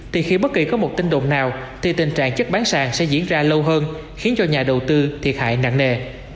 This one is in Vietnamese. thì khi bất kỳ có một tin đồn nào thì tình trạng chất bán sàn sẽ diễn ra lâu hơn khiến cho nhà đầu tư thiệt hại nặng nề